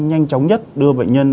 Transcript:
nhanh chóng nhất đưa bệnh nhân